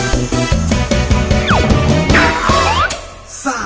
ขอบคุณค่ะ